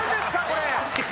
これ。